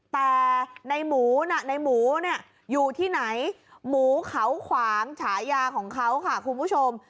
แต่ในหมูน่ะในหมูเนี่ยอยู่ที่ไหนหมูเขาขวางฉายาของเขาค่ะคุณผู้ชม